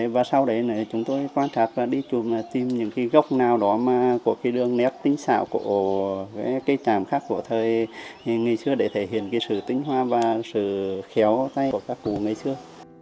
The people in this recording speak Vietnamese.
và sau đấy chúng tôi quan sát và đi chung là tìm những cái gốc nào đó mà có cái đường nét tinh xạo của cái trạm khắc của thời ngày xưa để thể hiện cái sự tinh hoa và sự khéo tay của các cụ ngày xưa